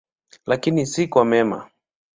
Lakini si kwa mema.